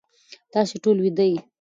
تاسی ټول ویده یی